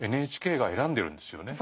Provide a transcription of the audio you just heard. ＮＨＫが選んでるんですよね。